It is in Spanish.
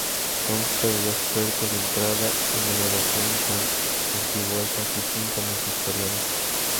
Consta de dos puertas de entrada en degradación con arquivoltas y tímpanos historiados.